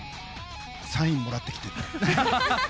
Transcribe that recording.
サインもらってきてって。